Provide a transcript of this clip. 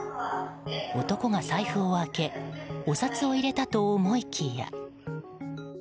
男が財布を開けお札を入れたと思いきや。